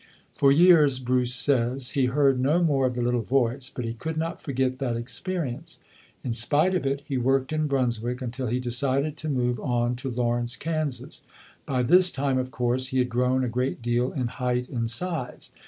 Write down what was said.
For years, Bruce says, he heard no more of the little voice, but he could not forget that experi ence. In spite of it, he worked in Brunswick until BLANCHE KELSO BRUCE [119 he decided to move on to Lawrence, Kansas. By this time, of course, he had grown a great deal in height and size.